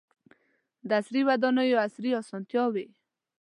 • د عصري ودانیو عصري اسانتیاوې.